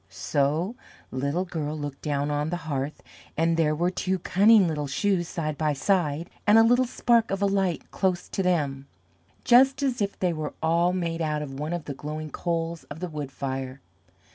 So Little Girl looked down on the hearth, and there were two cunning little Shoes side by side, and a little Spark of a Light close to them just as if they were all made out of one of the glowing coals of the wood fire.